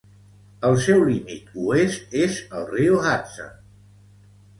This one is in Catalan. El seu límit oest és el riu Hudson.